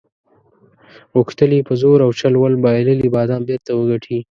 غوښتل یې په زور او چل ول بایللي بادام بیرته وګټي.